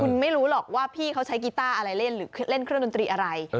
คุณไม่รู้หรอกว่าพี่เขาใช้กีต้าอะไรเล่นหรือเล่นเครื่องดนตรีอะไร